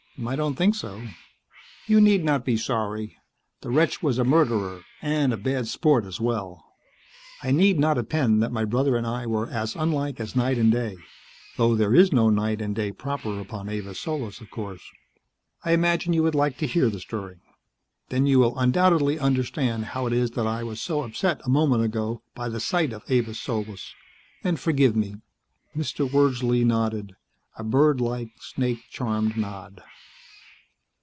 "I don't think so." "You need not be sorry. The wretch was a murderer and a bad sport as well. I need not append that my brother and I were as unlike as night and day though there is no night and day proper upon Avis Solis, of course. I imagine you would like to hear the story. Then you will undoubtedly understand how it is that I was so upset a moment ago by the sight of Avis Solis, and forgive me." Mr. Wordsley nodded. A birdlike, snake charmed nod.